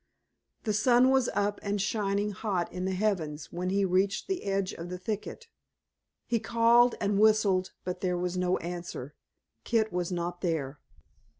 The sun was up and shining hot in the heavens when he reached the edge of the thicket. He called and whistled, but there was no answer. Kit was not there.